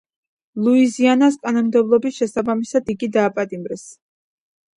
ლუიზიანის კანონმდებლობის შესაბამისად იგი დააპატიმრეს.